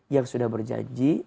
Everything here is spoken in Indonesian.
yang sudah berjanji